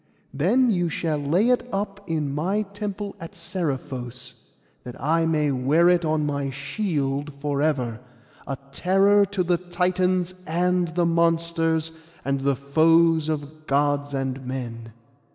Then you shall lay it up in my temple at Seriphos, that I may wear it on my shield for ever, a terror to the Titans and the monsters, and the foes of Gods and men.